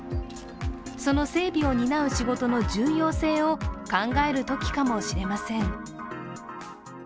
その整備を担う仕事の重要性を考えるときかもしれません。